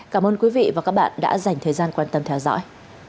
cảm ơn quý vị và các bạn đã dành thời gian quan tâm theo dõi